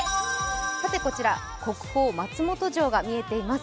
こちら国宝・松本城が見えています。